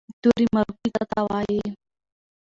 توري مورفي څه ته وایي؟